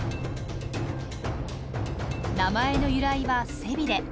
名前の由来は背ビレ。